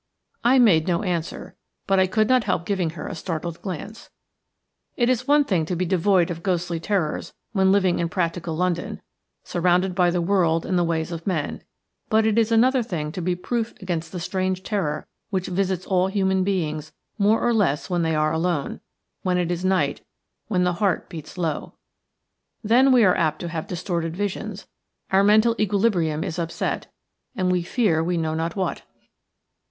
I made no answer, but I could not help giving her a startled glance. It is one thing to be devoid of ghostly terrors when living in practical London, surrounded by the world and the ways of men, but it is another thing to be proof against the strange terror which visits all human beings more or less when they are alone, when it is night, when the heart beats low. Then we are apt to have distorted visions, our mental equilibrium is upset, and we fear we know not what.